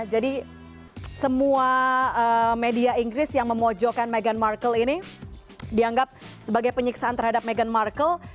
jadi semua media inggris yang memojokan megan markle ini dianggap sebagai penyiksaan terhadap megan markle